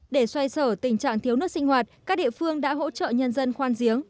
để xoay sở tình trạng thiếu nước sinh hoạt các địa phương đã hỗ trợ nhân dân khoan giếng